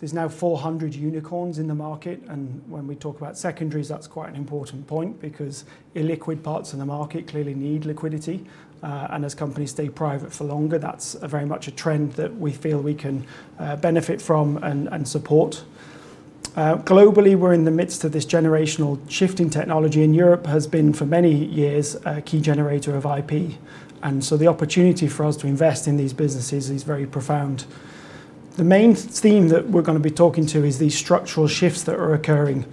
There are now 400 unicorns in the market, and when we talk about secondaries, that's quite an important point, because illiquid parts in the market clearly need liquidity. As companies stay private for longer, that's very much a trend that we feel we can benefit from and support. Globally, we're in the midst of this generational shift in technology, and Europe has been, for many years, a key generator of IP, and so the opportunity for us to invest in these businesses is very profound. The main theme that we're going to be talking to is these structural shifts that are occurring,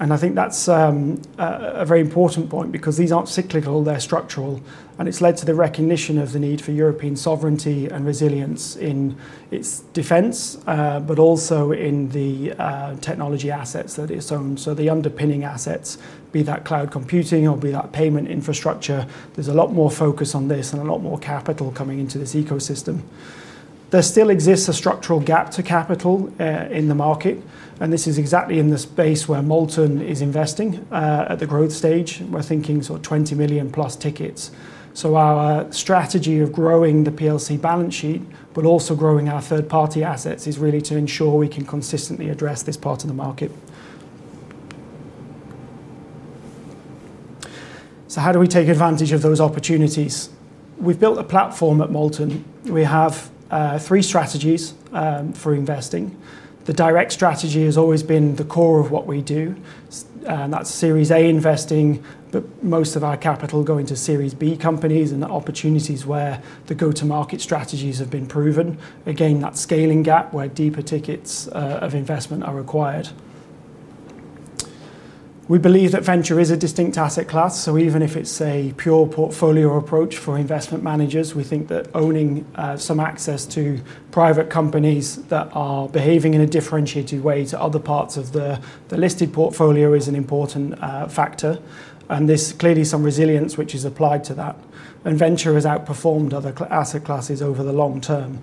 and I think that's a very important point because these aren't cyclical, they're structural, and it's led to the recognition of the need for European sovereignty and resilience in its defense, but also in the technology assets that it owns. The underpinning assets, be that cloud computing or be that payment infrastructure, there's a lot more focus on this and a lot more capital coming into this ecosystem. There still exists a structural gap to capital in the market, and this is exactly in the space where Molten is investing. At the growth stage, we're thinking sort of 20 million+ tickets. Our strategy of growing the PLC balance sheet, but also growing our third-party assets, is really to ensure we can consistently address this part of the market. How do we take advantage of those opportunities? We've built a platform at Molten. We have three strategies for investing. The direct strategy has always been the core of what we do, that's Series A investing, but most of our capital going to Series B companies and the opportunities where the go-to-market strategies have been proven. Again, that scaling gap where deeper tickets of investment are required. We believe that venture is a distinct asset class, so even if it's a pure portfolio approach for investment managers, we think that owning some access to private companies that are behaving in a differentiated way to other parts of the listed portfolio is an important factor, and there's clearly some resilience which is applied to that. Venture has outperformed other asset classes over the long term.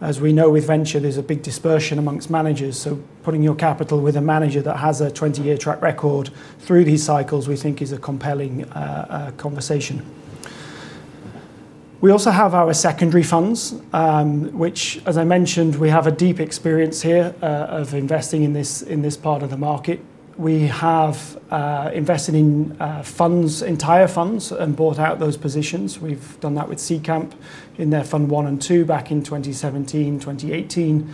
As we know, with venture, there's a big dispersion amongst managers, so putting your capital with a manager that has a 20-year track record through these cycles, we think is a compelling conversation. We also have our secondary funds, which, as I mentioned, we have a deep experience here of investing in this part of the market. We have invested in entire funds and bought out those positions. We've done that with Seedcamp in their Fund I and II back in 2017 and 2018.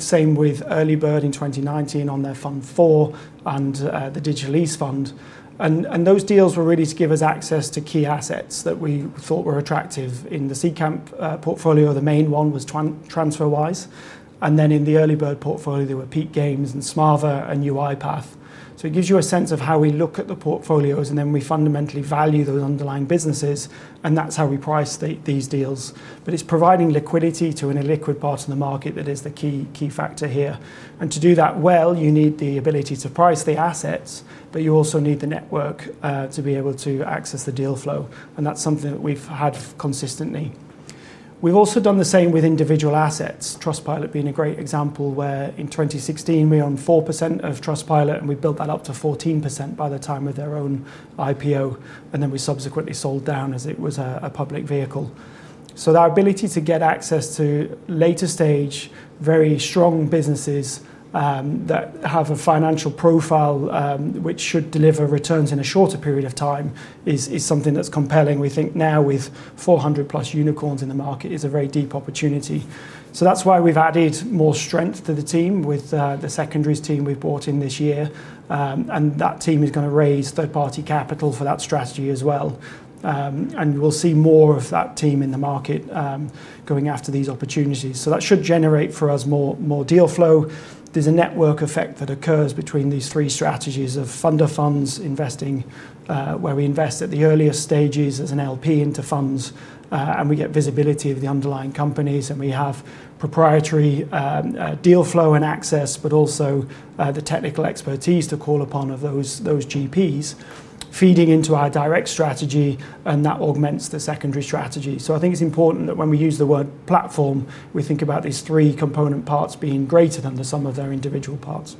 Same with Earlybird in 2019 on their Fund IV and the Digital East Fund. Those deals were really to give us access to key assets that we thought were attractive. In the Seedcamp portfolio, the main one was TransferWise, and then in the Earlybird portfolio, there were Peak Games and smava and UiPath. It gives you a sense of how we look at the portfolios, then we fundamentally value those underlying businesses, and that's how we price these deals. It's providing liquidity to an illiquid part in the market that is the key factor here. To do that well, you need the ability to price the assets, but you also need the network to be able to access the deal flow, and that's something that we've had consistently. We've also done the same with individual assets, Trustpilot being a great example, where in 2016, we owned 4% of Trustpilot, and we built that up to 14% by the time of their own IPO, and then we subsequently sold down as it was a public vehicle. Our ability to get access to later-stage, very strong businesses that have a financial profile which should deliver returns in a shorter period of time is something that's compelling. We think now with 400+ unicorns in the market is a very deep opportunity. That's why we've added more strength to the team with the secondaries team we've brought in this year, and that team is going to raise third-party capital for that strategy as well. We'll see more of that team in the market going after these opportunities. That should generate for us more deal flow. There's a network effect that occurs between these three strategies of fund of funds investing, where we invest at the earliest stages as an LP into funds, and we get visibility of the underlying companies, and we have proprietary deal flow and access, but also the technical expertise to call upon of those GPs feeding into our direct strategy, and that augments the secondary strategy. I think it's important that when we use the word platform, we think about these three component parts being greater than the sum of their individual parts.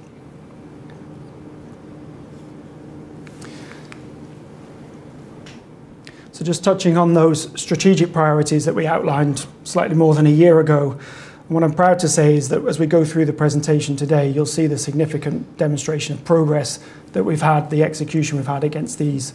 Just touching on those strategic priorities that we outlined slightly more than a year ago, what I'm proud to say is that as we go through the presentation today, you'll see the significant demonstration of progress that we've had, the execution we've had against these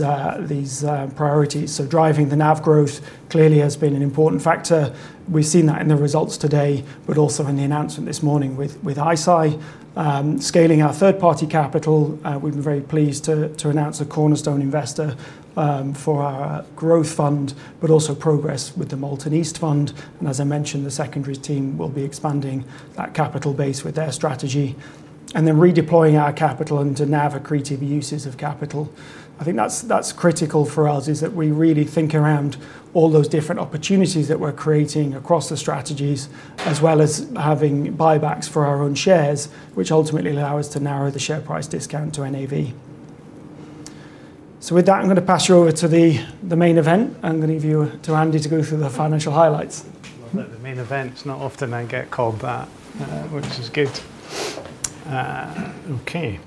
priorities. Driving the NAV growth clearly has been an important factor. We've seen that in the results today, also in the announcement this morning with ICEYE. Scaling our third-party capital, we've been very pleased to announce a cornerstone investor for our Growth Fund but also progress with the Molten East Fund. As I mentioned, the secondaries team will be expanding that capital base with their strategy, then redeploying our capital into NAV accretive uses of capital. I think that's critical for us, is that we really think around all those different opportunities that we're creating across the strategies, as well as having buybacks for our own shares, which ultimately allow us to narrow the share price discount to NAV. With that, I'm going to pass you over to the main event. I'm going to leave you to Andy to go through the financial highlights. Love that, the main event. It's not often I get called that, which is good. Okay.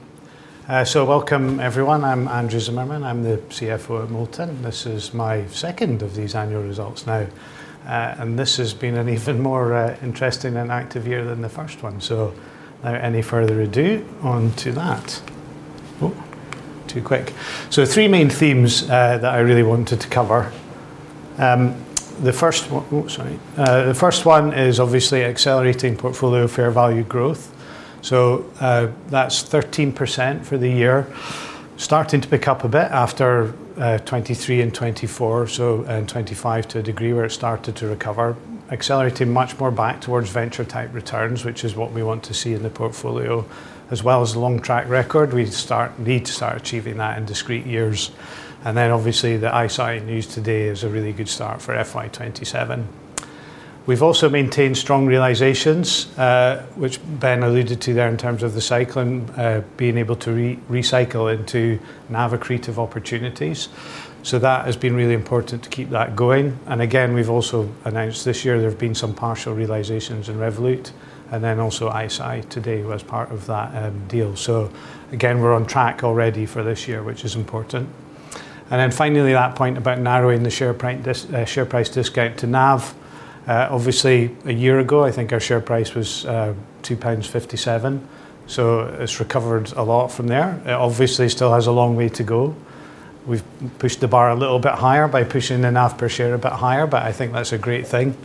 Welcome everyone. I'm Andrew Zimmermann. I'm the CFO at Molten. This is my second of these annual results now. This has been an even more interesting and active year than the first one. Without any further ado, on to that. Too quick. The three main themes that I really wanted to cover. The first one, sorry, the first one is obviously accelerating portfolio fair value growth. That's 13% for the year, starting to pick up a bit after 2023 and 2024, and 2025 to a degree where it started to recover. Accelerating much more back towards venture-type returns, which is what we want to see in the portfolio as well as long track record. We need to start achieving that in discrete years. Then, obviously, the ICEYE news today is a really good start for FY 2027. We've also maintained strong realizations, which Ben alluded to there in terms of the cycle and being able to recycle into NAV accretive opportunities. That has been really important to keep that going. Again, we've also announced this year there have been some partial realizations in Revolut and then also ICEYE today was part of that deal. Again, we're on track already for this year, which is important. Finally, that point about narrowing the share price discount to NAV. Obviously, a year ago, I think our share price was 2.57 pounds, so it's recovered a lot from there. It obviously still has a long way to go. We've pushed the bar a little bit higher by pushing the NAV per share a bit higher, but I think that's a great thing.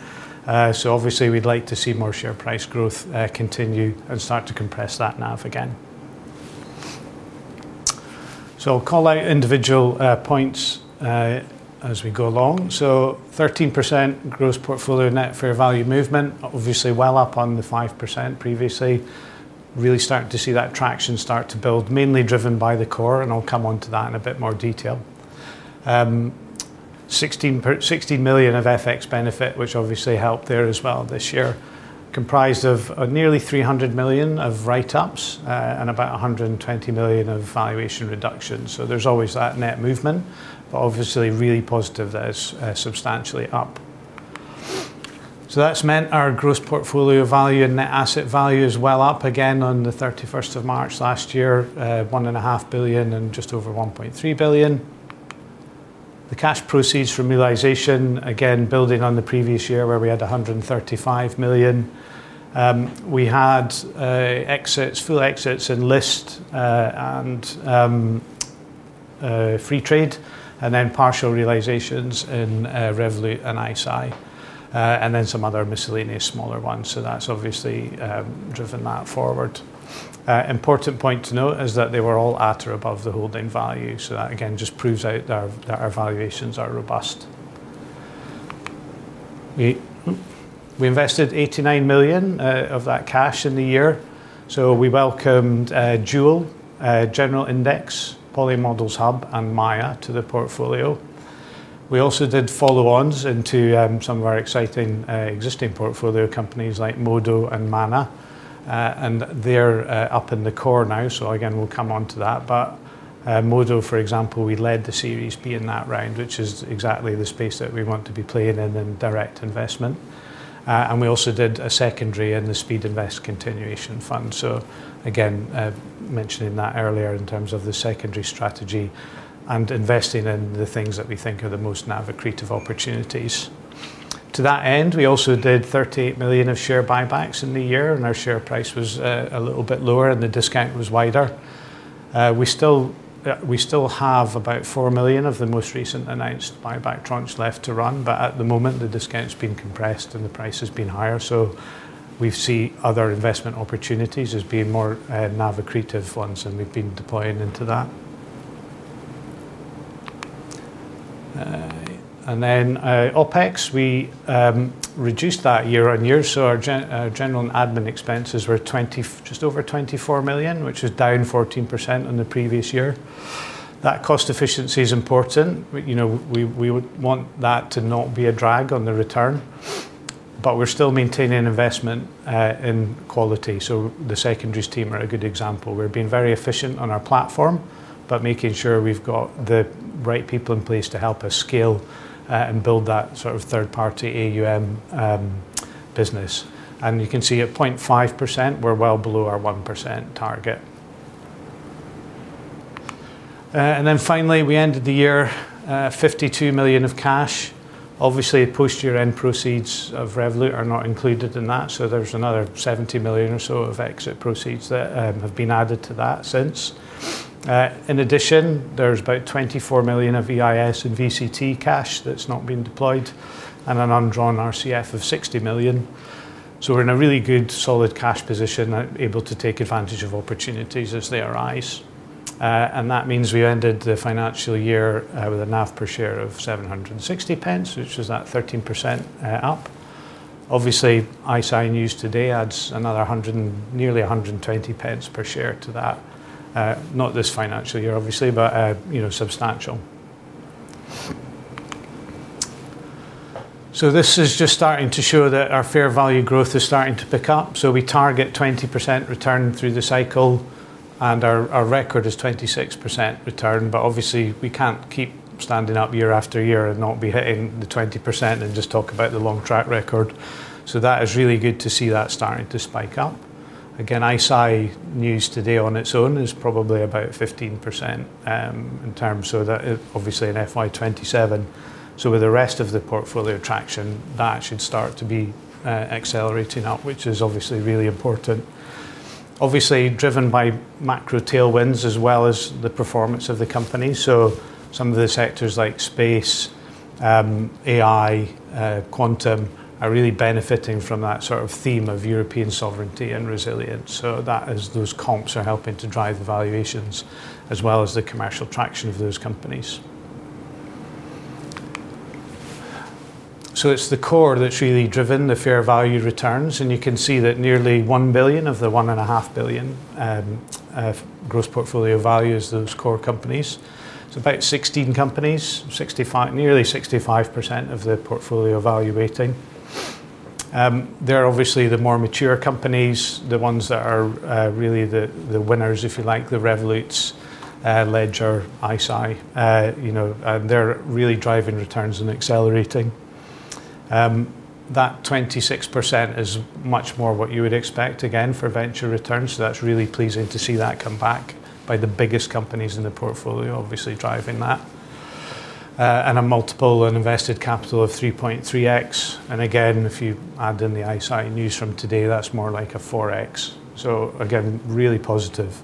Obviously, we'd like to see more share price growth continue and start to compress that NAV again. I'll call out individual points as we go along. 13% gross portfolio net fair value movement, obviously, well up on the 5% previously. Really starting to see that traction start to build mainly driven by the core, and I'll come onto that in a bit more detail. 60 million of FX benefit, which obviously helped there as well this year. Comprised of nearly 300 million of write-ups, and about 120 million of valuation reductions. There's always that net movement, but obviously, really positive that it's substantially up. That's meant our gross portfolio value and net asset value is well up again on the 31st of March last year, 1.5 billion and just over 1.3 billion. The cash proceeds from realization, again, building on the previous year where we had 135 million. We had full exits in Lyst and Freetrade, and then partial realizations in Revolut and ICEYE, and then some other miscellaneous smaller ones. That's obviously driven that forward. Important point to note is that they were all at or above the holding value, so that again just proves out that our valuations are robust. We invested 89 million of that cash in the year. We welcomed Duel, General Index, PolyModels Hub, and MAIA to the portfolio. We also did follow-ons into some of our exciting existing portfolio companies like Modo and Manna. They're up in the core now. Again, we'll come onto that, but Modo, for example, we led the Series B in that round, which is exactly the space that we want to be playing in in direct investment. We also did a secondary in the Speedinvest Continuation Fund. Again, mentioning that earlier in terms of the secondary strategy and investing in the things that we think are the most NAV accretive opportunities. To that end, we also did 38 million of share buybacks in the year. Our share price was a little bit lower and the discount was wider. We still have about 4 million of the most recent announced buyback tranches left to run, but at the moment, the discount's been compressed and the price has been higher, so we see other investment opportunities as being more NAV accretive ones, and we've been deploying into that. Then, OpEx, we reduced that year-on-year. Our general and admin expenses were just over 24 million, which was down 14% on the previous year. That cost efficiency is important. We would want that to not be a drag on the return, but we're still maintaining investment in quality. The secondaries team are a good example. We're being very efficient on our platform, but making sure we've got the right people in place to help us scale and build that sort of third-party AUM business. You can see at 0.5%, we're well below our 1% target. Finally, we ended the year 52 million of cash. Obviously, post year-end proceeds of Revolut are not included in that. There's another 70 million or so of exit proceeds that have been added to that since. In addition, there's about 24 million of EIS and VCT cash that's not been deployed and an undrawn RCF of 60 million. We're in a really good solid cash position and able to take advantage of opportunities as they arise. That means we ended the financial year with a NAV per share of 7.60, which is that 13% up. Obviously, ICEYE news today adds another nearly 1.20 per share to that. Not this financial year, obviously, but substantial. This is just starting to show that our fair value growth is starting to pick up. We target 20% return through the cycle. Our record is 26% return, but obviously, we can't keep standing up year after year and not be hitting the 20% and just talk about the long track record. That is really good to see that starting to spike up. Again, ICEYE news today on its own is probably about 15% in terms, that obviously, in FY 2027. With the rest of the portfolio traction, that should start to be accelerating up, which is obviously, really important. Obviously, driven by macro tailwinds as well as the performance of the company, so some of the sectors like space, AI, quantum, are really benefiting from that sort of theme of European sovereignty and resilience. That is those comps are helping to drive the valuations as well as the commercial traction of those companies. It's the core that's really driven the fair value returns, and you can see that nearly 1 billion of the 1.5 billion of gross portfolio value is those core companies. It's about 16 companies, nearly 65% of the portfolio value weighting. They're obviously the more mature companies, the ones that are really the winners, if you like, the Revoluts, Ledger, ICEYE. They're really driving returns and accelerating. That 26% is much more what you would expect, again, for venture returns, that's really pleasing to see that come back by the biggest companies in the portfolio, obviously driving that. A multiple, an invested capital of 3.3x. Again, if you add in the ICEYE news from today, that's more like a 4x. Again, really positive.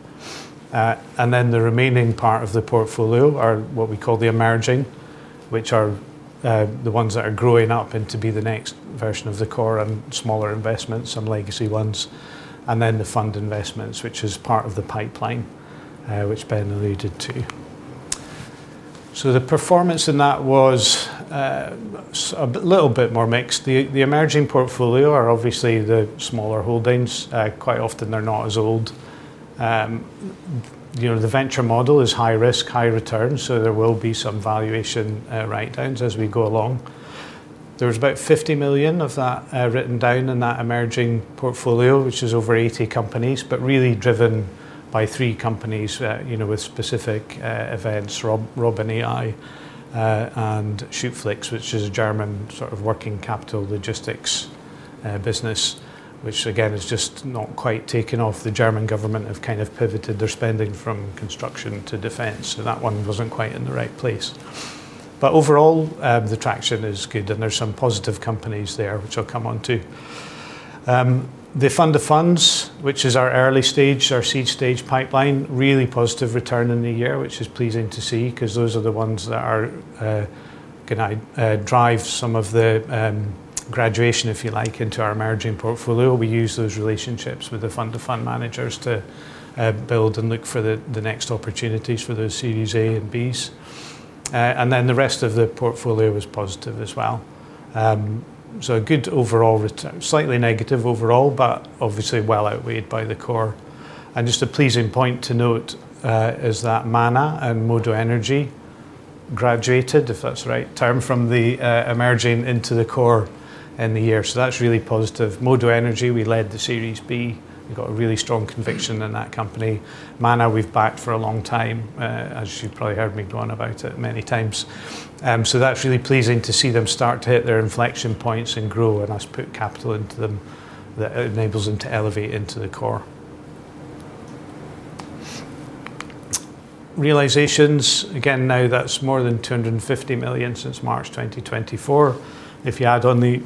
The remaining part of the portfolio are what we call the emerging, which are the ones that are growing up into be the next version of the core and smaller investments, some legacy ones. Then, the fund investments, which is part of the pipeline, which Ben alluded to. The performance in that was a little bit more mixed. The emerging portfolio are obviously the smaller holdings. Quite often, they're not as old. The venture model is high risk, high return, so there will be some valuation write downs as we go along. There was about 50 million of that written down in that emerging portfolio, which is over 80 companies, but really driven by three companies with specific events, Robin AI and Schüttflix, which is a German sort of working capital logistics business, which again, has just not quite taken off. The German government have kind of pivoted their spending from construction to defense, and that one wasn't quite in the right place. But overall, the traction is good and there's some positive companies there, which I'll come onto. The fund of funds, which is our early stage, our seed stage pipeline, really positive return in the year, which is pleasing to see because those are the ones that are going to drive some of the graduation, if you like, into our emerging portfolio. We use those relationships with the fund to fund managers to build and look for the next opportunities for those Series A and Bs. Then the rest of the portfolio was positive as well. A good overall return. Slightly negative overall, but obviously, well outweighed by the core. Just a pleasing point to note, is that Manna and Modo Energy graduated, if that's the right term, from the emerging into the core in the year. That's really positive. Modo Energy, we led the Series B. We got a really strong conviction in that company. Manna, we've backed for a long time, as you probably heard me go on about it many times. That's really pleasing to see them start to hit their inflection points and grow, and us put capital into them that enables them to elevate into the core. Realizations, again, now that's more than 250 million since March 2024. If you add on the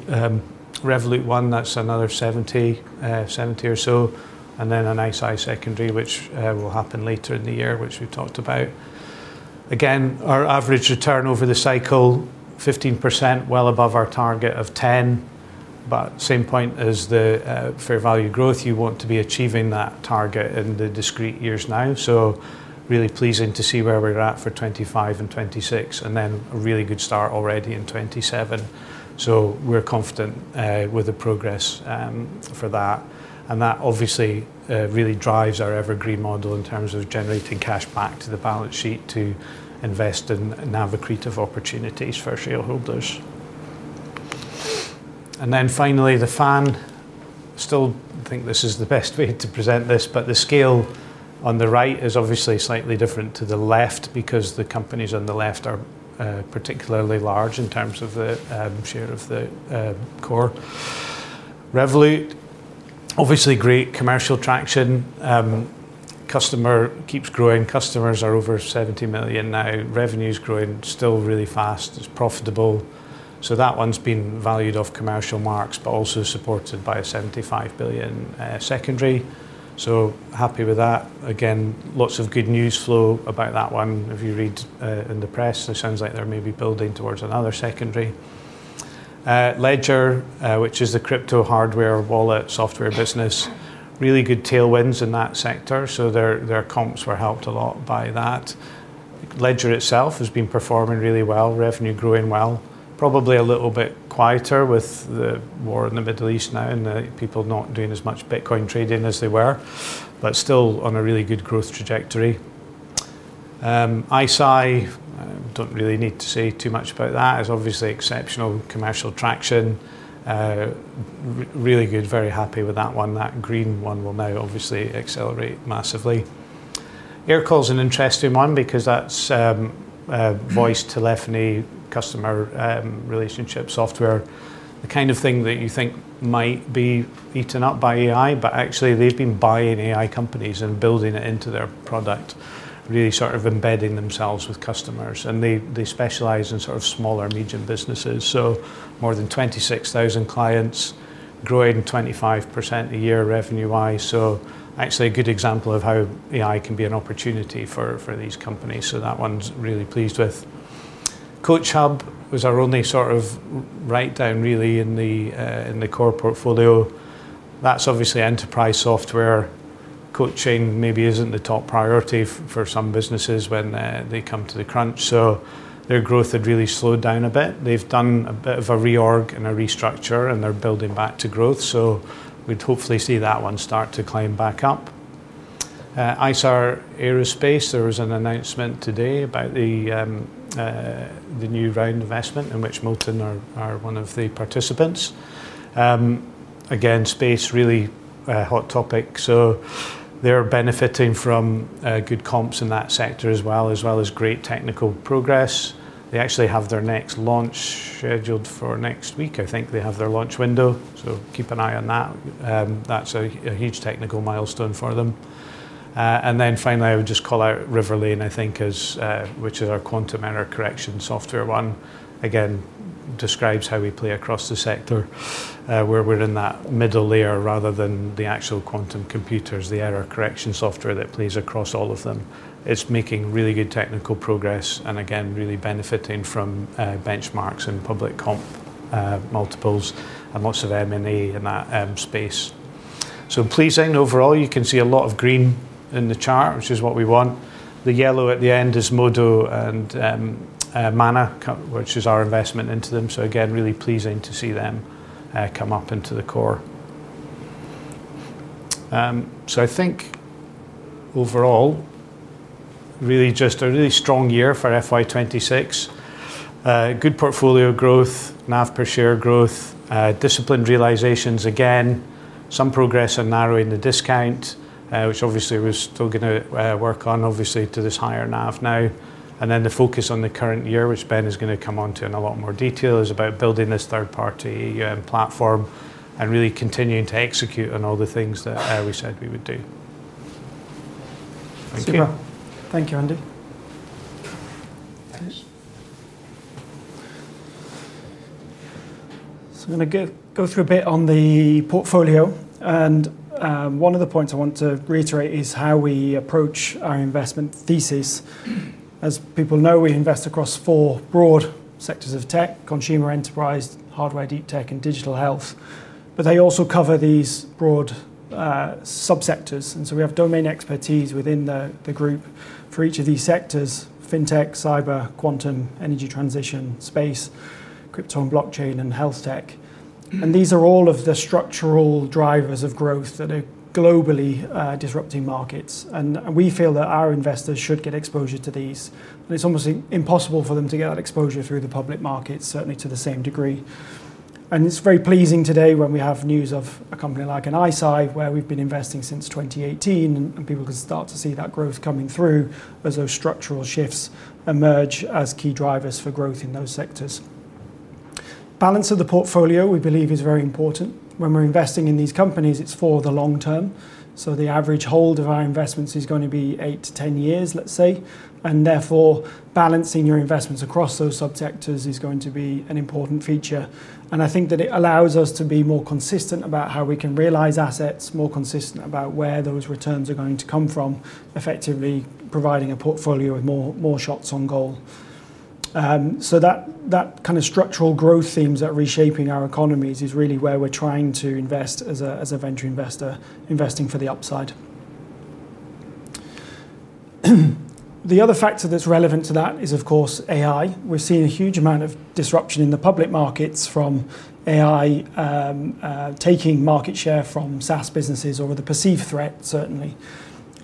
Revolut one, that's another 70 million or so, and then an ICEYE secondary, which will happen later in the year, which we talked about. Again, our average return over the cycle, 15%, well above our target of 10%. Same point as the fair value growth, you want to be achieving that target in the discrete years now. Really pleasing to see where we're at for 2025 and 2026, then a really good start already in 2027. We're confident with the progress for that. That obviously really drives our evergreen model in terms of generating cash back to the balance sheet to invest in accretive opportunities for our shareholders. Then finally, the fan. Still think this is the best way to present this, but the scale on the right is obviously slightly different to the left because the companies on the left are particularly large in terms of the share of the core. Revolut, obviously, great commercial traction. Customer keeps growing. Customers are over 70 million now. Revenue's growing still really fast. It's profitable. That one's been valued off commercial marks, but also supported by a 75 billion secondary. Happy with that. Again, lots of good news flow about that one. If you read in the press, it sounds like they may be building towards another secondary. Ledger, which is the crypto hardware wallet software business, really good tailwinds in that sector, so their comps were helped a lot by that. Ledger itself has been performing really well, revenue growing well, probably a little bit quieter with the war in the Middle East now and the people not doing as much Bitcoin trading as they were, but still on a really good growth trajectory. ICEYE, I don't really need to say too much about that. It's obviously exceptional commercial traction. Really good, very happy with that one. That green one will now obviously accelerate massively. Aircall is an interesting one because that's voice telephony customer relationship software, the kind of thing that you think might be eaten up by AI, but actually they've been buying AI companies and building it into their product, really sort of embedding themselves with customers. They specialize in sort of smaller and medium businesses. More than 26,000 clients, growing 25% a year revenue-wise. Actually, a good example of how AI can be an opportunity for these companies. That one's really pleased with. CoachHub was our only sort of write-down really in the core portfolio. That's obviously enterprise software. Coaching maybe isn't the top priority for some businesses when they come to the crunch, so their growth had really slowed down a bit. They've done a bit of a reorg and a restructure, and they're building back to growth. We'd hopefully see that one start to climb back up. Isar Aerospace, there was an announcement today about the new round investment in which Molten are one of the participants. Again, space, really a hot topic. They're benefiting from good comps in that sector as well, as well as great technical progress. They actually have their next launch scheduled for next week. I think they have their launch window. So, keep an eye on that. That's a huge technical milestone for them. Finally, I would just call out Riverlane, I think, which is our quantum error correction software one. Again, describes how we play across the sector, where we're in that middle layer rather than the actual quantum computers, the error correction software that plays across all of them. It's making really good technical progress and again, really benefiting from benchmarks and public comp multiples and lots of M&A in that space. So, pleasing overall, you can see a lot of green in the chart, which is what we want. The yellow at the end is Modo and Manna, which is our investment into them. Again, really pleasing to see them come up into the core. I think overall, really just a really strong year for FY 2026. Good portfolio growth, NAV per share growth, disciplined realizations again, some progress on narrowing the discount, which obviously, we're still going to work on obviously to this higher NAV now, and then the focus on the current year, which Ben is going to come on to in a lot more detail, is about building this third-party platform and really continuing to execute on all the things that we said we would do. Thank you. Thank you, Andy. I'm going to go through a bit on the portfolio, and one of the points I want to reiterate is how we approach our investment thesis. As people know, we invest across four broad sectors of tech, consumer enterprise, hardware, deep tech, and digital health. They also cover these broad sub-sectors, and so, we have domain expertise within the group for each of these sectors, fintech, cyber, quantum, energy transition, space, crypto and blockchain, and health tech. These are all of the structural drivers of growth that are globally disrupting markets, and we feel that our investors should get exposure to these. It's almost impossible for them to get that exposure through the public market, certainly to the same degree. It's very pleasing today when we have news of a company like an ICEYE, where we've been investing since 2018, and people can start to see that growth coming through as those structural shifts emerge as key drivers for growth in those sectors. Balance of the portfolio, we believe, is very important. When we're investing in these companies, it's for the long term. The average hold of our investments is going to be 8-10 years, let's say, and therefore, balancing your investments across those sub-sectors is going to be an important feature. I think that it allows us to be more consistent about how we can realize assets, more consistent about where those returns are going to come from, effectively providing a portfolio with more shots on goal. That kind of structural growth themes that are reshaping our economies is really where we're trying to invest as a venture investor, investing for the upside. The other factor that's relevant to that is, of course, AI. We're seeing a huge amount of disruption in the public markets from AI taking market share from SaaS businesses or the perceived threat, certainly.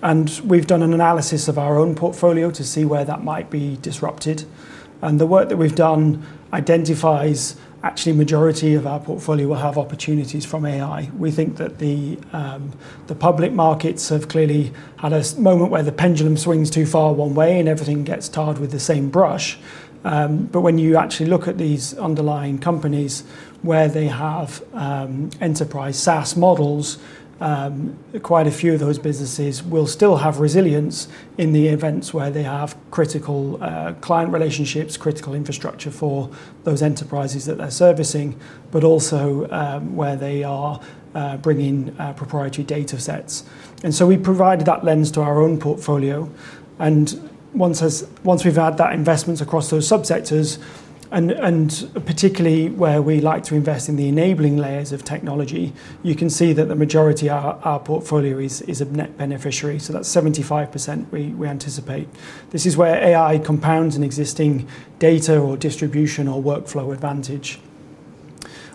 We've done an analysis of our own portfolio to see where that might be disrupted. The work that we've done identifies actually majority of our portfolio will have opportunities from AI. We think that the public markets have clearly had a moment where the pendulum swings too far one way and everything gets tarred with the same brush. When you actually look at these underlying companies where they have enterprise SaaS models, quite a few of those businesses will still have resilience in the events where they have critical client relationships, critical infrastructure for those enterprises that they're servicing, but also where they are bringing proprietary data sets. We provide that lens to our own portfolio. Once we've had that investment across those sub-sectors, and particularly where we like to invest in the enabling layers of technology, you can see that the majority of our portfolio is a net beneficiary. That's 75% we anticipate. This is where AI compounds an existing data or distribution or workflow advantage.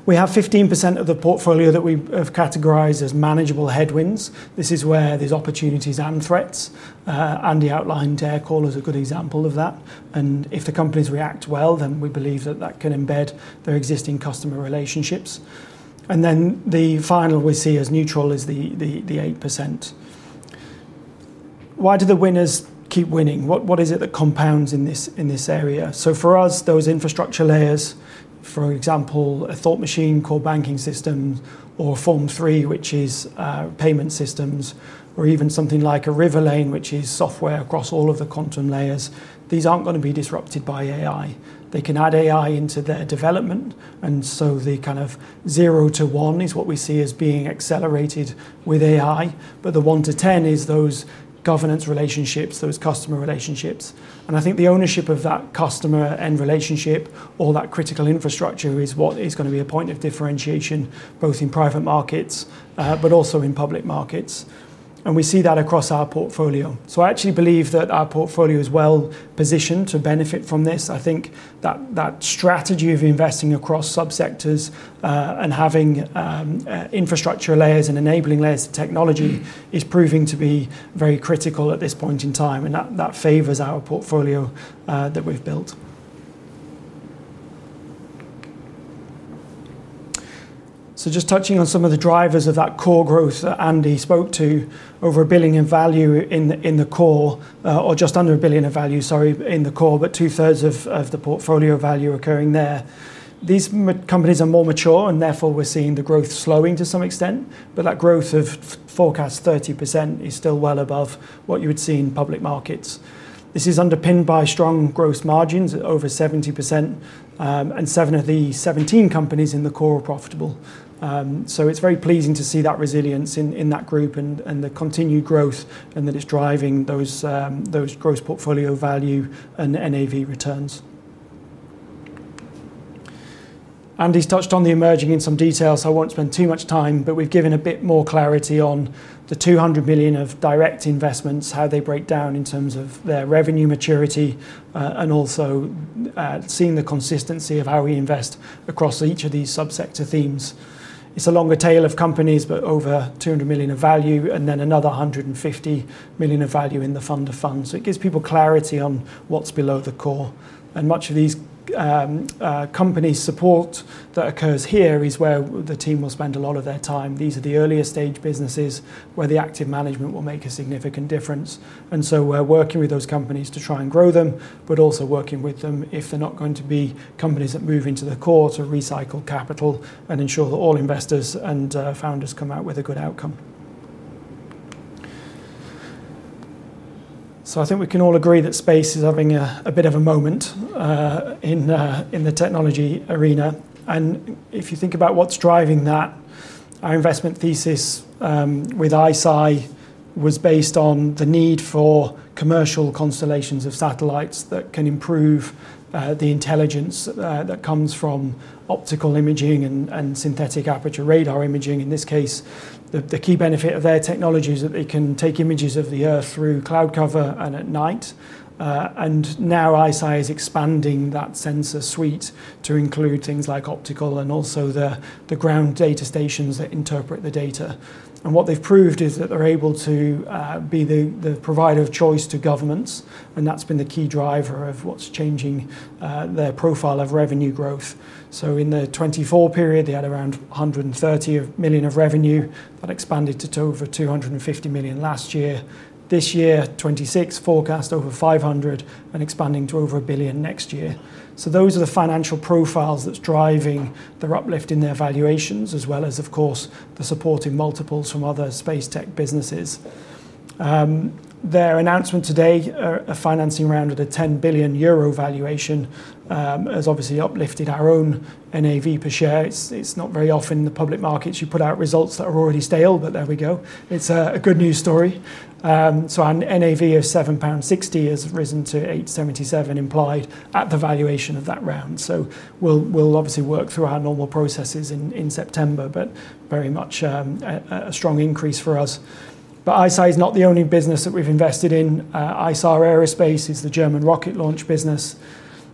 We have 15% of the portfolio that we have categorized as manageable headwinds. This is where there's opportunities and threats. Andy outlined Aircall as a good example of that, and if the companies react well, then we believe that that can embed their existing customer relationships. Then, the final we see as neutral is the 8%. Why do the winners keep winning? What is it that compounds in this area? For us, those infrastructure layers, for example, a Thought Machine core banking system, or Form3, which is payment systems, or even something like a Riverlane, which is software across all of the quantum layers, these aren't going to be disrupted by AI. They can add AI into their development, and so the kind of 0:1 is what we see as being accelerated with AI, but the 1:10 is those governance relationships, those customer relationships. I think the ownership of that customer end relationship, all that critical infrastructure, is what is going to be a point of differentiation, both in private markets, but also in public markets, and we see that across our portfolio. I actually believe that our portfolio is well-positioned to benefit from this. I think that that strategy of investing across sub-sectors, and having infrastructure layers and enabling layers to technology is proving to be very critical at this point in time, and that favors our portfolio that we've built. Just touching on some of the drivers of that core growth that Andy spoke to, over 1 billion in value in the core, or just under 1 billion in value, sorry, in the core, but 2/3 of the portfolio value occurring there. These companies are more mature and therefore, we're seeing the growth slowing to some extent, but that growth of forecast 30% is still well above what you would see in public markets. This is underpinned by strong gross margins, over 70%, and seven of the 17 companies in the core are profitable. It's very pleasing to see that resilience in that group and the continued growth, and that it's driving those gross portfolio value and NAV returns. Andy's touched on the emerging in some detail, so I won't spend too much time, but we've given a bit more clarity on the 200 million of direct investments, how they break down in terms of their revenue maturity, and also seeing the consistency of how we invest across each of these sub-sector themes. It's a longer tail of companies, but over 200 million of value and then another 150 million of value in the fund of funds. It gives people clarity on what's below the core. Much of these companies support that occurs here is where the team will spend a lot of their time. These are the earlier stage businesses where the active management will make a significant difference, and so we're working with those companies to try and grow them but also working with them if they're not going to be companies that move into the core to recycle capital and ensure that all investors and founders come out with a good outcome. I think we can all agree that space is having a bit of a moment in the technology arena. If you think about what's driving that, our investment thesis, with ICEYE was based on the need for commercial constellations of satellites that can improve the intelligence that comes from optical imaging and synthetic aperture radar imaging. In this case, the key benefit of their technology is that it can take images of the Earth through cloud cover and at night. Now, ICEYE is expanding that sensor suite to include things like optical and also the ground data stations that interpret the data. What they've proved is that they're able to be the provider of choice to governments, and that's been the key driver of what's changing their profile of revenue growth. In the 2024 period, they had around 130 million of revenue. That expanded to over 250 million last year. This year, 2026, forecast over 500 million and expanding to over 1 billion next year. Those are the financial profiles that's driving the uplift in their valuations as well as, of course, the supporting multiples from other space tech businesses. Their announcement today, a financing round at a 10 billion euro valuation, has obviously uplifted our own NAV per share. It's not very often in the public markets you put out results that are already stale, but there we go. It's a good news story. Our NAV of 7.60 pound has risen to 8.77 implied at the valuation of that round. We'll obviously work through our normal processes in September, but very much a strong increase for us. ICEYE is not the only business that we've invested in. Isar Aerospace is the German rocket launch business.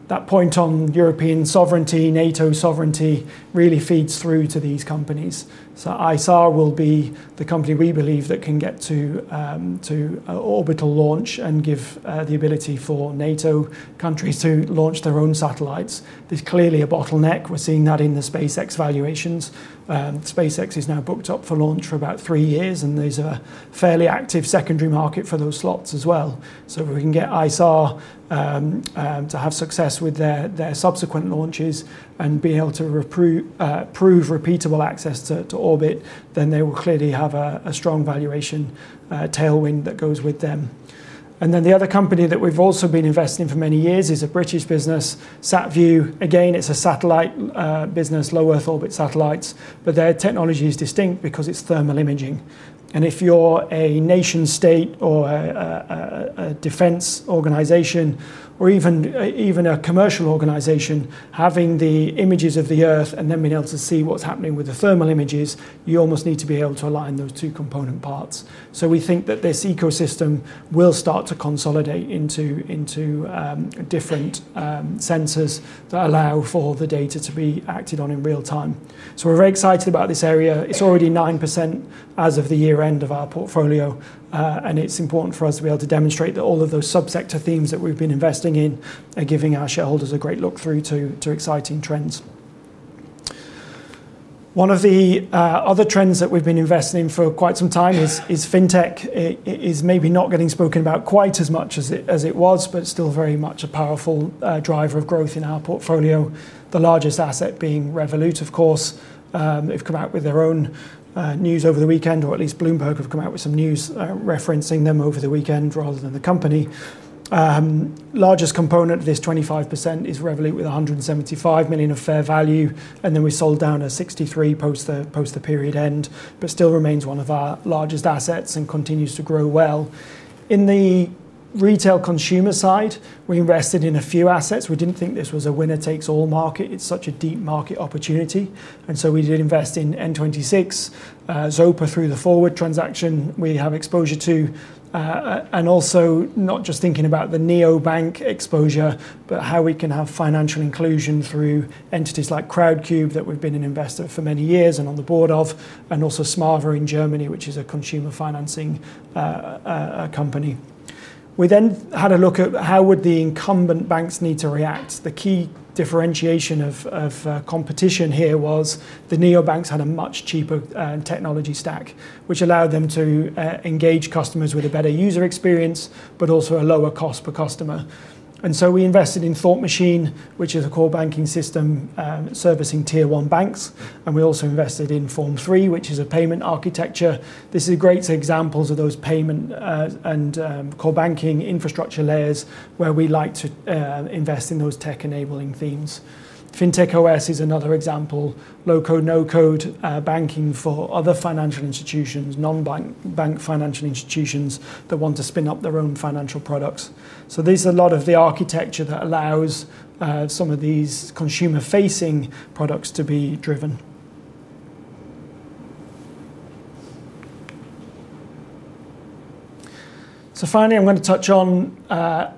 That point on European sovereignty, NATO sovereignty, really feeds through to these companies. Isar will be the company we believe that can get to orbital launch and give the ability for NATO countries to launch their own satellites. There's clearly a bottleneck. We're seeing that in the SpaceX valuations. SpaceX is now booked up for launch for about three years, and there's a fairly active secondary market for those slots as well. If we can get Isar to have success with their subsequent launches and be able to prove repeatable access to orbit, then they will clearly have a strong valuation tailwind that goes with them. Then, the other company that we've also been investing in for many years is a British business, SatVu. Again, it's a satellite business, low-Earth orbit satellites, but their technology is distinct because it's thermal imaging. If you're a nation-state or a defense organization or even a commercial organization, having the images of the Earth and then being able to see what's happening with the thermal images, you almost need to be able to align those two component parts. We think that this ecosystem will start to consolidate into different sensors that allow for the data to be acted on in real time. We're very excited about this area. It's already 9% as of the year-end of our portfolio. It's important for us to be able to demonstrate that all of those sub-sector themes that we've been investing in are giving our shareholders a great look through to exciting trends. One of the other trends that we've been investing in for quite some time is fintech. It is maybe not getting spoken about quite as much as it was, but still very much a powerful driver of growth in our portfolio, the largest asset being Revolut, of course. They've come out with their own news over the weekend, or at least Bloomberg have come out with some news referencing them over the weekend, rather than the company. Largest component of this 25% is Revolut, with 175 million of fair value and we sold down a 63 million post the period end but still remains one of our largest assets and continues to grow well. In the retail consumer side, we invested in a few assets. We didn't think this was a winner-takes-all market. It's such a deep market opportunity. We did invest in N26, Zopa through the Forward transaction, we have exposure to. Also, not just thinking about the neobank exposure, but how we can have financial inclusion through entities like Crowdcube, that we've been an investor for many years and on the board of, and also smava in Germany, which is a consumer financing company. We then had a look at how would the incumbent banks need to react. The key differentiation of competition here was the neobanks had a much cheaper technology stack, which allowed them to engage customers with a better user experience, but also a lower cost per customer. We invested in Thought Machine, which is a core banking system servicing Tier 1 banks. We also invested in Form3, which is a payment architecture. This is great examples of those payment and core banking infrastructure layers where we like to invest in those tech-enabling themes. FintechOS is another example. Low-code, no-code banking for other financial institutions, non-bank financial institutions that want to spin up their own financial products. These are a lot of the architecture that allows some of these consumer-facing products to be driven. Finally, I'm going to touch on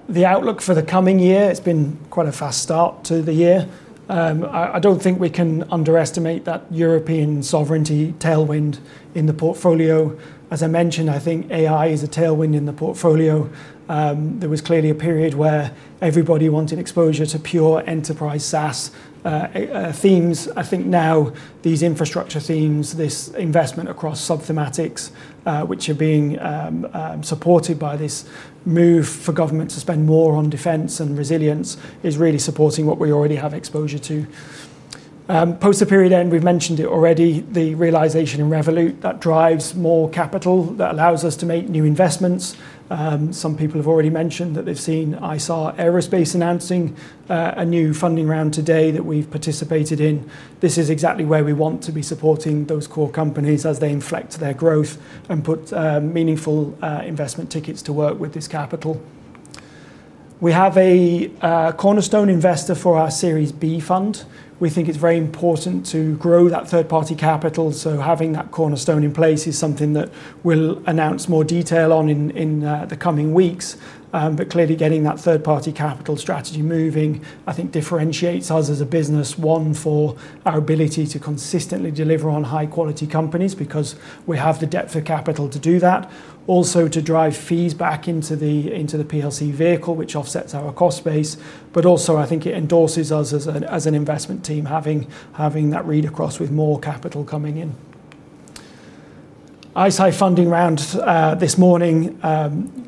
the outlook for the coming year. It's been quite a fast start to the year. I don't think we can underestimate that European sovereignty tailwind in the portfolio. As I mentioned, I think AI is a tailwind in the portfolio. There was clearly a period where everybody wanted exposure to pure enterprise SaaS themes. I think now these infrastructure themes, this investment across sub-thematics, which are being supported by this move for government to spend more on defense and resilience, is really supporting what we already have exposure to. Post the period end, we've mentioned it already, the realization in Revolut, that drives more capital, that allows us to make new investments. Some people have already mentioned that they've seen Isar Aerospace announcing a new funding round today that we've participated in. This is exactly where we want to be supporting those core companies as they inflect their growth and put meaningful investment tickets to work with this capital. We have a cornerstone investor for our Series B fund. We think it's very important to grow that third-party capital, so having that cornerstone in place is something that we'll announce more detail on in the coming weeks. Clearly, getting that third-party capital strategy moving, I think differentiates us as a business, one, for our ability to consistently deliver on high-quality companies, because we have the depth of capital to do that. Also, to drive fees back into the PLC vehicle, which offsets our cost base. Also, I think it endorses us as an investment team, having that read across with more capital coming in. Isar funding round this morning,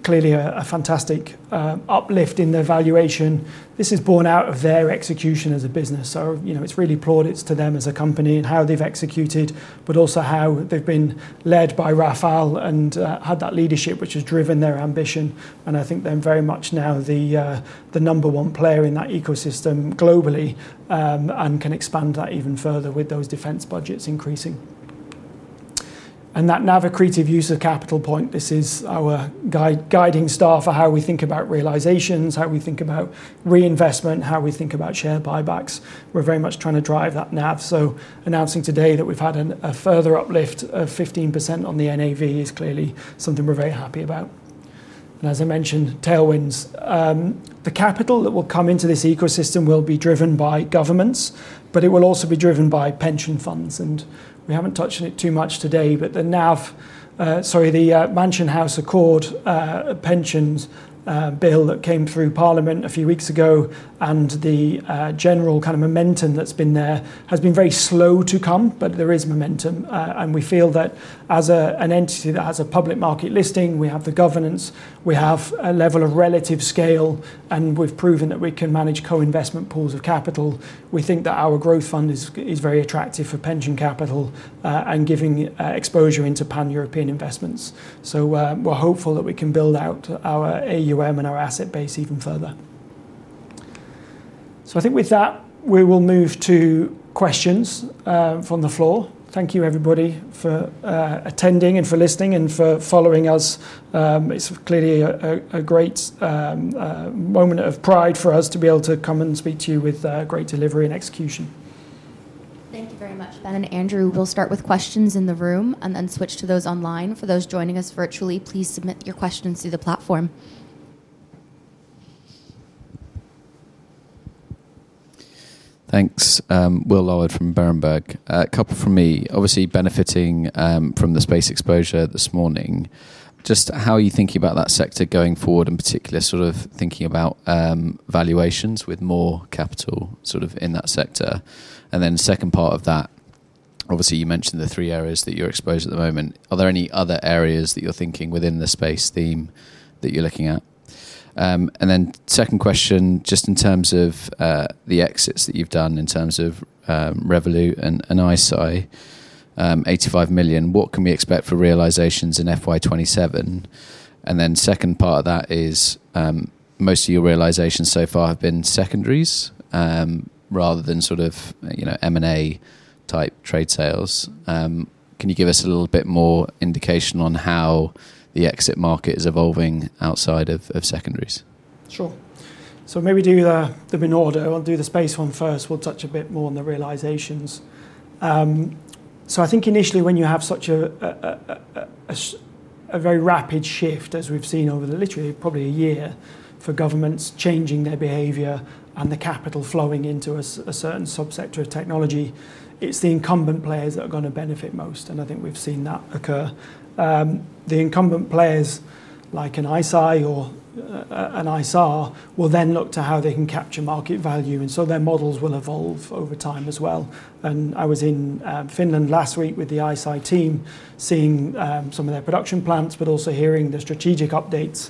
clearly a fantastic uplift in their valuation. This is borne out of their execution as a business. It's really plaudits to them as a company and how they've executed, but also how they've been led by Rafael and had that leadership, which has driven their ambition, and I think they're very much now the number one player in that ecosystem globally and can expand that even further with those defense budgets increasing. That NAV accretive use of capital point, this is our guiding star for how we think about realizations, how we think about reinvestment, and how we think about share buybacks. We're very much trying to drive that NAV, so announcing today that we've had a further uplift of 15% on the NAV is clearly something we're very happy about. As I mentioned, tailwinds. The capital that will come into this ecosystem will be driven by governments, but it will also be driven by pension funds. We haven't touched on it too much today, but the NAV, sorry, the Mansion House Accord pensions bill that came through Parliament a few weeks ago, and the general kind of momentum that's been there, has been very slow to come, but there is momentum, and we feel that as an entity that has a public market listing, we have the governance, we have a level of relative scale, and we've proven that we can manage co-investment pools of capital. We think that our Growth Fund is very attractive for pension capital, and giving exposure into pan-European investments. We're hopeful that we can build out our AUM and our asset base even further. I think with that, we will move to questions from the floor. Thank you, everybody, for attending and for listening and for following us. It's clearly a great moment of pride for us to be able to come and speak to you with great delivery and execution. Thank you very much, Ben and Andrew. We'll start with questions in the room, then switch to those online. For those joining us virtually, please submit your questions through the platform. Thanks. Will Larwood from Berenberg. A couple from me. Obviously, benefiting from the space exposure this morning, just how are you thinking about that sector going forward, in particular, sort of thinking about valuations with more capital sort of in that sector? Second part of that, obviously, you mentioned the three areas that you're exposed at the moment. Are there any other areas that you're thinking within the space theme that you're looking at? Then, second question, just in terms of the exits that you've done in terms of Revolut and ICEYE, 85 million, what can we expect for realizations in FY 2027? Second part of that is, most of your realizations so far have been secondaries, rather than sort of M&A type trade sales, can you give us a little bit more indication on how the exit market is evolving outside of secondaries? Sure. Maybe do them in order. I'll do the space one first. We'll touch a bit more on the realizations. I think initially when you have such a very rapid shift as we've seen over the literally probably a year for governments changing their behavior and the capital flowing into a certain sub-sector of technology, it's the incumbent players that are going to benefit most. I think we've seen that occur. The incumbent players, like an ICEYE or an Isar, will then look to how they can capture market value, so their models will evolve over time as well. I was in Finland last week with the ICEYE team, seeing some of their production plants, but also hearing the strategic updates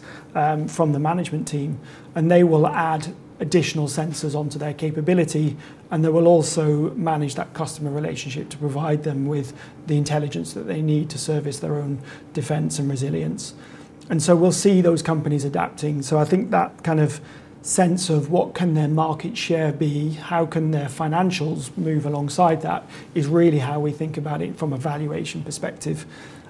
from the management team. They will add additional sensors onto their capability, and they will also manage that customer relationship to provide them with the intelligence that they need to service their own defense and resilience. We'll see those companies adapting. I think that kind of sense of what can their market share be, how can their financials move alongside that, is really how we think about it from a valuation perspective.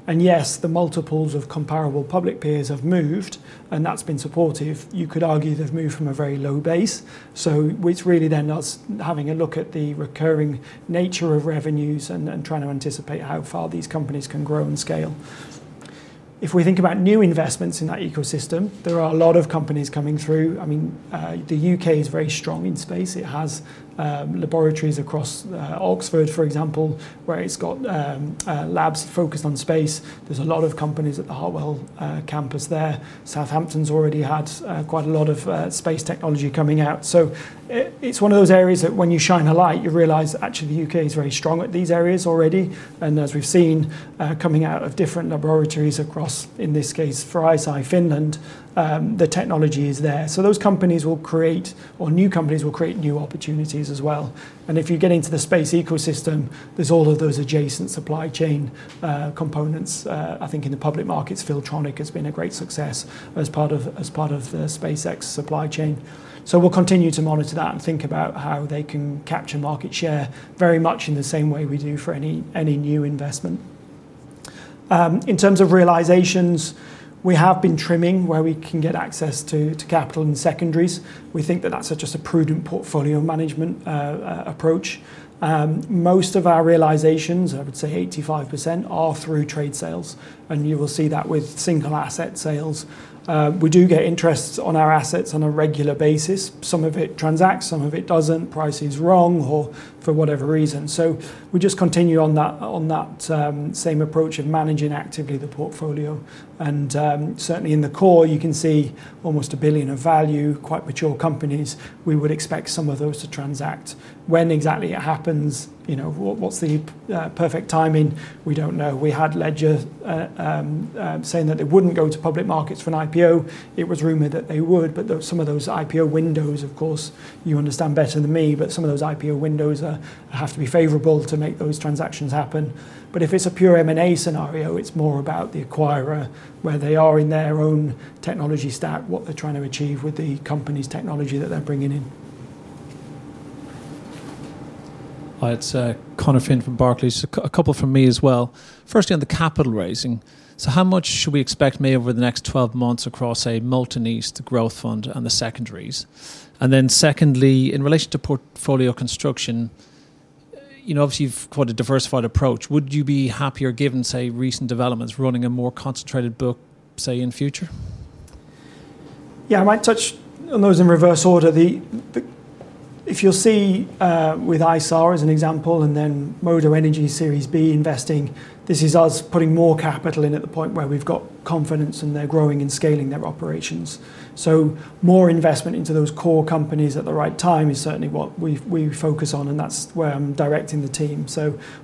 Yes, the multiples of comparable public peers have moved, and that's been supportive. You could argue they've moved from a very low base. It's really then us having a look at the recurring nature of revenues and trying to anticipate how far these companies can grow and scale. If we think about new investments in that ecosystem, there are a lot of companies coming through. The U.K. is very strong in space. It has laboratories across Oxford, for example, where it's got labs focused on space. There's a lot of companies at the Harwell campus there. Southampton's already had quite a lot of space technology coming out. It's one of those areas that when you shine a light, you realize actually the U.K. is very strong at these areas already. As we've seen, coming out of different laboratories across, in this case, for ICEYE, Finland, the technology is there. Those companies will create, or new companies will create new opportunities as well. If you get into the space ecosystem, there's all of those adjacent supply chain components. I think in the public markets, Filtronic has been a great success as part of the SpaceX supply chain. We'll continue to monitor that and think about how they can capture market share very much in the same way we do for any new investment. In terms of realizations, we have been trimming where we can get access to capital and secondaries. We think that that's just a prudent portfolio management approach. Most of our realizations, I would say 85%, are through trade sales, and you will see that with single asset sales. We do get interests on our assets on a regular basis. Some of it transacts, some of it doesn't, price is wrong or for whatever reason. We just continue on that same approach of managing actively the portfolio. Certainly in the core, you can see almost a 1 billion of value, quite mature companies. We would expect some of those to transact. When exactly it happens, what's the perfect timing? We don't know. We had Ledger saying that it wouldn't go to public markets for an IPO. It was rumored that they would, but some of those IPO windows, of course, you understand better than me, but some of those IPO windows have to be favorable to make those transactions happen. If it's a pure M&A scenario, it's more about the acquirer, where they are in their own technology stack, what they're trying to achieve with the company's technology that they're bringing in. Hi, it's Conor Finn from Barclays. A couple from me as well. Firstly, on the capital raising. How much should we expect maybe over the next 12 months across, say, Molten East, the Growth Fund, and the secondaries? Secondly, in relation to portfolio construction, obviously you've got a diversified approach. Would you be happier given, say, recent developments, running a more concentrated book, say, in future? I might touch on those in reverse order. If you'll see, with Isar as an example, and then Modo Energy Series B investing, this is us putting more capital in at the point where we've got confidence and they're growing and scaling their operations. More investment into those core companies at the right time is certainly what we focus on, and that's where I'm directing the team.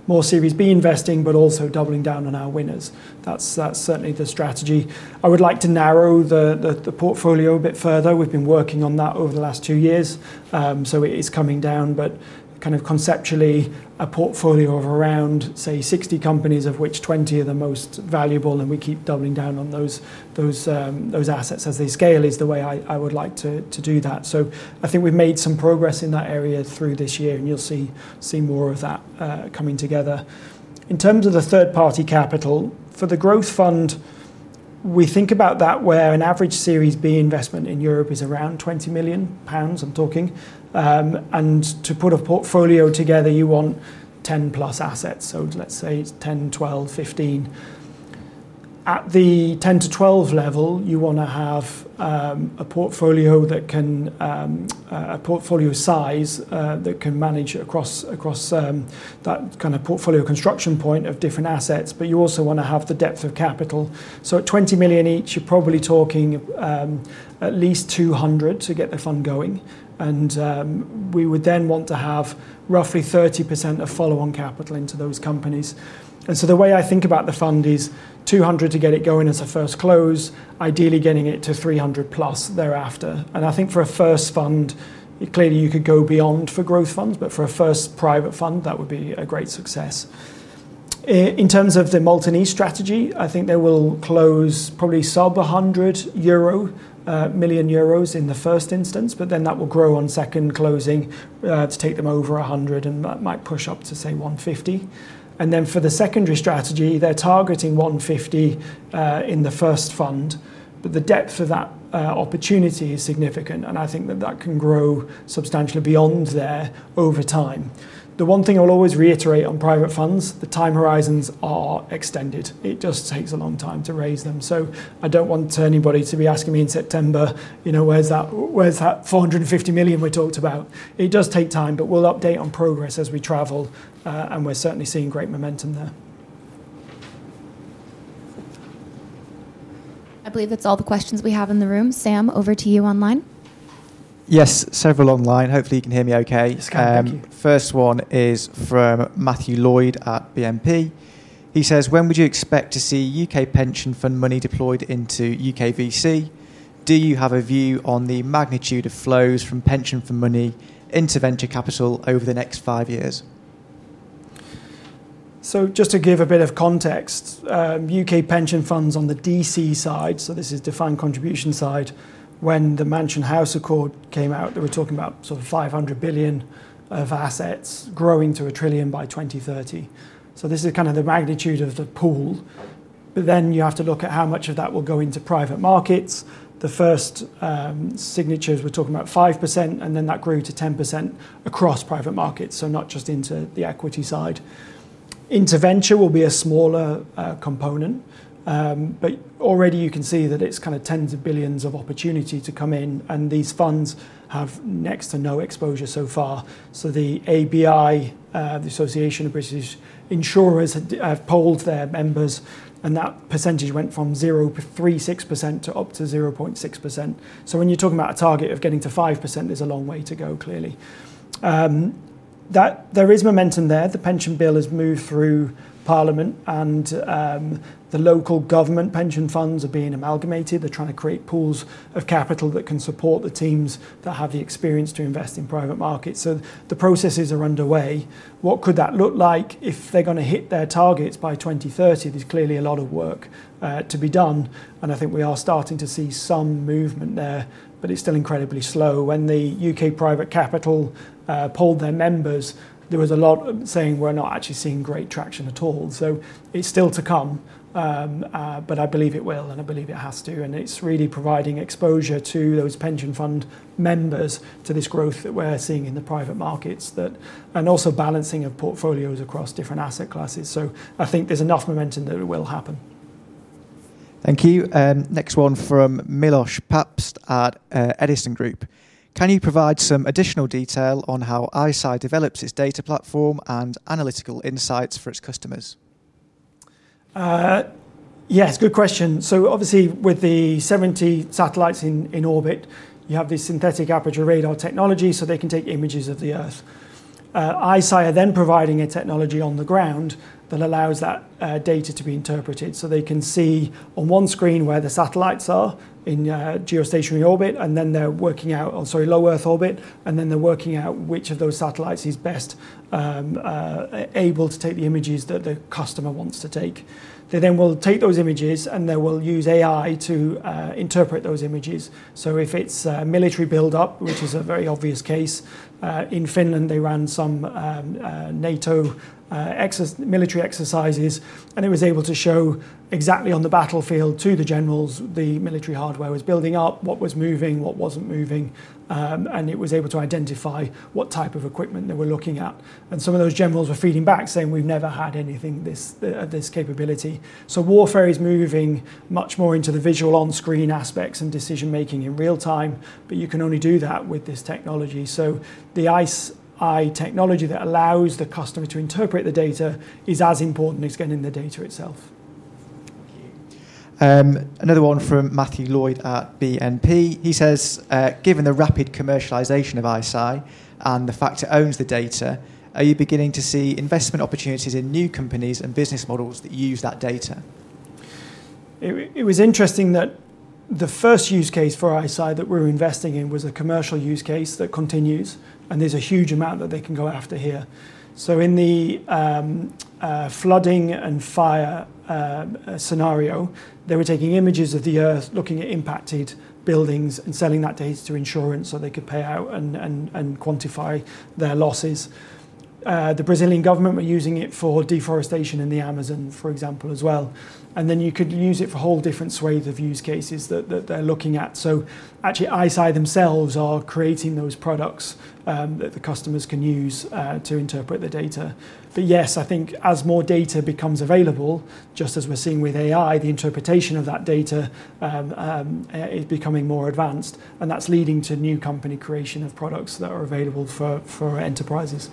More Series B investing, but also doubling down on our winners. That's certainly the strategy. I would like to narrow the portfolio a bit further. We've been working on that over the last two years. It is coming down, but kind of conceptually, a portfolio of around, say, 60 companies of which 20 are the most valuable, and we keep doubling down on those assets as they scale, is the way I would like to do that. I think we've made some progress in that area through this year, and you'll see more of that coming together. In terms of the third-party capital, for the Growth Fund, we think about that where an average Series B investment in Europe is around 20 million pounds, I'm talking. To put a portfolio together, you want 10+ assets, so let's say, it's 10, 12, 15. At the 10-12 level, you want to have a portfolio size that can manage across that kind of portfolio construction point of different assets, but you also want to have the depth of capital. At 20 million each, you're probably talking at least 200 million to get the fund going. We would then want to have roughly 30% of follow-on capital into those companies. The way I think about the fund is 200 million to get it going as a first close, ideally getting it to 300 million+ thereafter. I think for a first fund, clearly you could go beyond for growth funds, but for a first private fund, that would be a great success. In terms of the Molten East strategy, I think they will close probably sub-EUR 100 million in the first instance, but then that will grow on second closing to take them over 100 million, and that might push up to, say, 150 million. For the secondary strategy, they're targeting 150 million in the first fund. The depth of that opportunity is significant, and I think that that can grow substantially beyond there over time. The one thing I'll always reiterate on private funds, the time horizons are extended. It just takes a long time to raise them. I don't want anybody to be asking me in September, "Where's that 450 million we talked about?" It does take time, but we'll update on progress as we travel, and we're certainly seeing great momentum there. I believe that's all the questions we have in the room. Sam, over to you online. Yes, several online. Hopefully you can hear me okay. It's great. Thank you. First one is from Matthew Lloyd at BNP. He says, "When would you expect to see U.K. pension fund money deployed into U.K. VC? Do you have a view on the magnitude of flows from pension fund money into venture capital over the next five years?" Just to give a bit of context, U.K. pension funds on the DC side, so this is defined contribution side, when the Mansion House Accord came out, they were talking about 500 billion of assets growing to 1 trillion by 2030. This is kind of the magnitude of the pool. You then have to look at how much of that will go into private markets. The first signatures were talking about 5%, and that grew to 10% across private markets, so not just into the equity side. Into venture will be a smaller component, but already, you can see that it's kind of tens of billions of opportunity to come in, and these funds have next to no exposure so far. The ABI, the Association of British Insurers, have polled their members, and that percentage went from 0.36% up to 0.6%. When you're talking about a target of getting to 5%, there's a long way to go, clearly. There is momentum there. The pension bill has moved through Parliament, and the local government pension funds are being amalgamated. They're trying to create pools of capital that can support the teams that have the experience to invest in private markets. The processes are underway. What could that look like if they're going to hit their targets by 2030? There's clearly a lot of work to be done, and I think we are starting to see some movement there, but it's still incredibly slow. When the UK Private Capital polled their members, there was a lot saying, "We're not actually seeing great traction at all." It's still to come, but I believe it will, and I believe it has to, and it's really providing exposure to those pension fund members to this growth that we're seeing in the private markets, and also balancing of portfolios across different asset classes. I think there's enough momentum that it will happen. Thank you. Next one from Milosz Papst at Edison Group. "Can you provide some additional detail on how ICEYE develops its data platform and analytical insights for its customers?" Yeah, that's a good question. Obviously, with the 70 satellites in orbit, you have this synthetic aperture radar technology, so they can take images of the Earth. ICEYE are then providing a technology on the ground that allows that data to be interpreted, so they can see on one screen where the satellites are in geostationary orbit, and then they're working out sort of low-Earth orbit. Then, they're working out which of those satellites is best able to take the images that the customer wants to take. They will take those images, and they will use AI to interpret those images. If it's military buildup, which is a very obvious case, in Finland, they ran some NATO military exercises, it was able to show exactly on the battlefield to the generals the military hardware was building up, what was moving, what wasn't moving, and it was able to identify what type of equipment they were looking at. Some of those generals were feeding back, saying, "We've never had anything this capability." Warfare is moving much more into the visual on-screen aspects and decision-making in real time, but you can only do that with this technology. The ICEYE technology that allows the customer to interpret the data is as important as getting the data itself. Thank you. Another one from Matthew Lloyd at BNP. He says, "Given the rapid commercialization of ICEYE and the fact it owns the data, are you beginning to see investment opportunities in new companies and business models that use that data?" It was interesting that the first use case for ICEYE that we were investing in was a commercial use case that continues, and there's a huge amount that they can go after here. In the flooding and fire scenario, they were taking images of the Earth, looking at impacted buildings, and selling that data to insurance they could pay out and quantify their losses. The Brazilian government were using it for deforestation in the Amazon, for example, as well. You could use it for a whole different swathe of use cases that they're looking at. Actually, ICEYE themselves are creating those products that the customers can use to interpret the data. Yes, I think as more data becomes available, just as we're seeing with AI, the interpretation of that data is becoming more advanced, and that's leading to new company creation of products that are available for enterprises.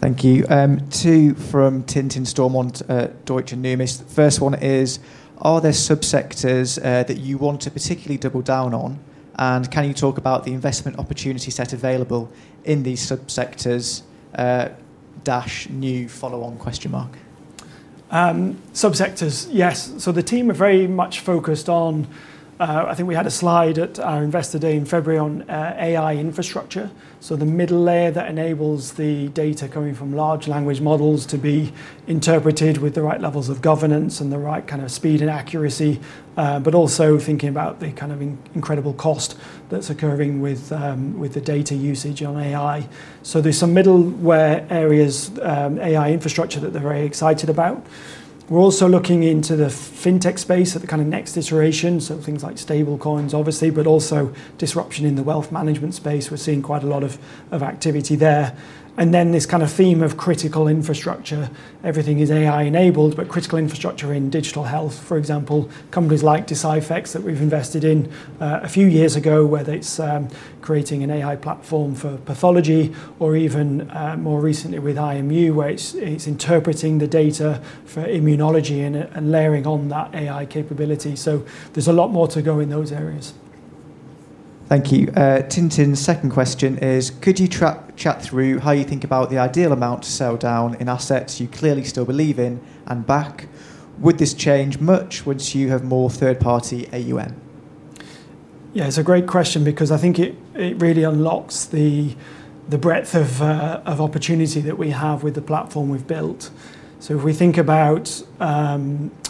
Thank you. Two from Tintin Stormont at Deutsche Numis. First one is, "Are there sub-sectors that you want to particularly double down on, and can you talk about the investment opportunity set available in these sub-sectors-new follow on?" Sub-sectors, yes. The team are very much focused on, I think we had a slide at our Investor Day in February, on AI infrastructure, so the middle layer that enables the data coming from large language models to be interpreted with the right levels of governance and the right kind of speed and accuracy, but also, thinking about the kind of incredible cost that's occurring with the data usage on AI. There's some middleware areas, AI infrastructure, that they're very excited about. We're also looking into the fintech space at the kind of next iteration, so things like stablecoins, obviously, but also disruption in the wealth management space. We're seeing quite a lot of activity there. And then, this kind of theme of critical infrastructure. Everything is AI-enabled, critical infrastructure in digital health, for example, companies like Deciphex that we've invested in a few years ago, whether it's creating an AI platform for pathology or even more recently with IMU, where it's interpreting the data for immunology and layering on that AI capability. There's a lot more to go in those areas. Thank you. Tintin's second question is, "Could you chat through how you think about the ideal amount to sell down in assets you clearly still believe in and back? Would this change much once you have more third-party AUM?" Yeah, it's a great question because I think it really unlocks the breadth of opportunity that we have with the platform we've built. If we think about,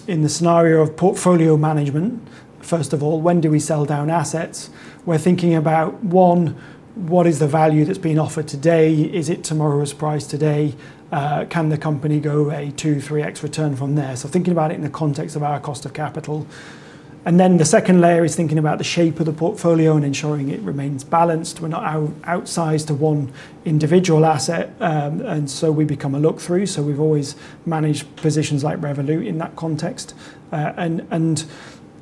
in the scenario of portfolio management, first of all, when do we sell down assets? We're thinking about, one, what is the value that's being offered today? Is it tomorrow's price today? Can the company go a 2x, 3x return from there? So, thinking about it in the context of our cost of capital. Then, the second layer is thinking about the shape of the portfolio and ensuring it remains balanced. We're not outsized to one individual asset, and so we become a look-through. We've always managed positions like Revolut in that context.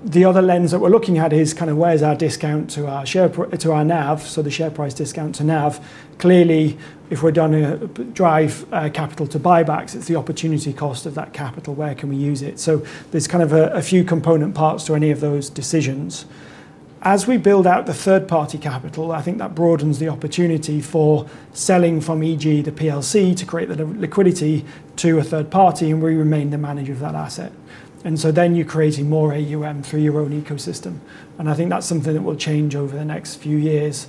The other lens that we're looking at is kind of where's our discount to our share, to our NAV, so the share price discount to NAV. Clearly, if we're doing a drive capital to buybacks, it's the opportunity cost of that capital, where can we use it? There's kind of a few component parts to any of those decisions. As we build out the third-party capital, I think that broadens the opportunity for selling from EG the PLC to create the liquidity to a third party, and we remain the manager of that asset. So then, you're creating more AUM through your own ecosystem. I think that's something that will change over the next few years.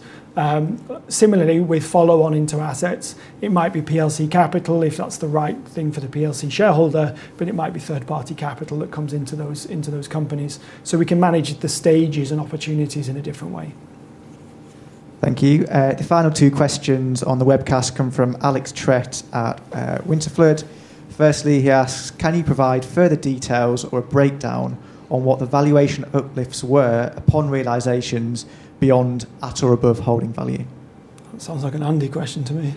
Similarly, with follow-on into assets, it might be PLC capital, if that's the right thing for the PLC shareholder, it might be third-party capital that comes into those companies, so we can manage the stages and opportunities in a different way. Thank you. The final two questions on the webcast come from Alex Trett at Winterflood. Firstly, he asks, "Can you provide further details or a breakdown on what the valuation uplifts were upon realizations beyond at or above holding value?" That sounds like an Andy question to me.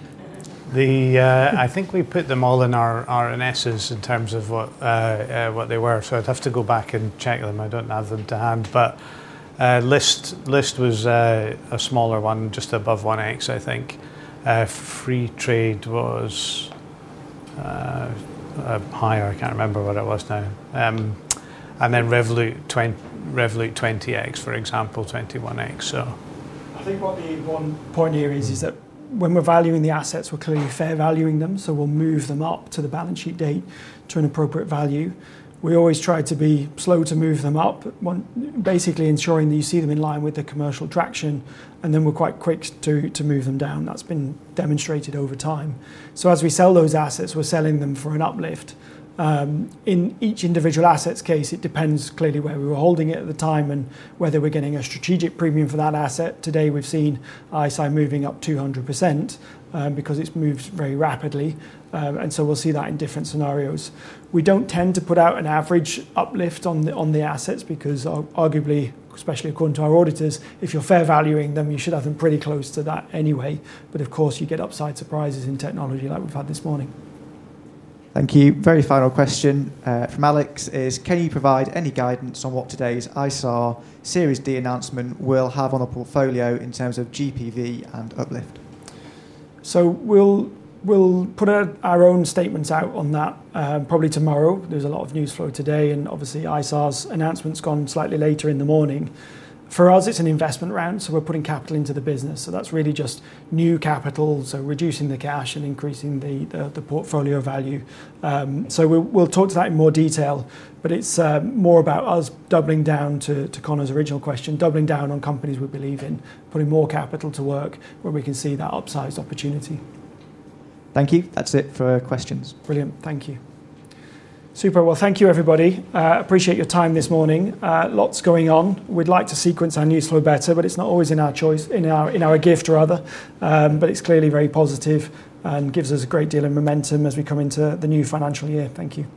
I think we put them all in our RNSs in terms of what they were. I'd have to go back and check them. I don't have them to hand, but Lyst was a smaller one, just above 1x, I think. Freetrade was higher. I can't remember what it was now. Then, Revolut 20x, for example, 21x, so. I think what the one point here is that when we're valuing the assets, we're clearly fair valuing them. We'll move them up to the balance sheet date to an appropriate value. We always try to be slow to move them up, basically ensuring that you see them in line with the commercial traction, and then we're quite quick to move them down. That's been demonstrated over time. As we sell those assets, we're selling them for an uplift. In each individual asset's case, it depends clearly where we were holding it at the time and whether we're getting a strategic premium for that asset. Today, we've seen ICEYE moving up 200% because it's moved very rapidly, and we'll see that in different scenarios. We don't tend to put out an average uplift on the assets because arguably, especially according to our auditors, if you're fair valuing them, you should have them pretty close to that anyway. Of course, you get upside surprises in technology like we've had this morning. Thank you. Very final question from Alex is, "Can you provide any guidance on what today's Isar Series D announcement will have on a portfolio in terms of GPV and uplift?" We'll put our own statements out on that probably tomorrow. There's a lot of news flow today, obviously, Isar's announcement's gone slightly later in the morning. For us, it's an investment round, so we're putting capital into the business. That's really just new capital, reducing the cash and increasing the portfolio value. We'll talk to that in more detail, but it's more about us doubling down to Conor's original question, doubling down on companies we believe in, putting more capital to work where we can see that upsized opportunity. Thank you. That's it for questions. Brilliant. Thank you. Super. Thank you, everybody. Appreciate your time this morning. Lots going on. We'd like to sequence our news flow better, it's not always in our choice, in our gift, rather, but it's clearly very positive and gives us a great deal of momentum as we come into the new financial year. Thank you.